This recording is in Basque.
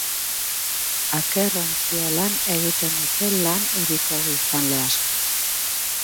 Aker ontziolan egiten dute lan hiriko biztanle askok.